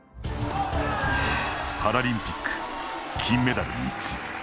パラリンピック金メダル３つ。